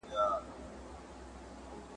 مکتب پرانیستی د جینکیو `